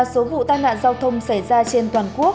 số vụ tai nạn giao thông xảy ra trên toàn quốc